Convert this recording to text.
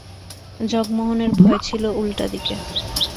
জগমোহনের ভয় ছিল উলটা দিকে।